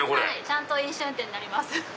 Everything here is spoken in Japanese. ちゃんと飲酒運転になります。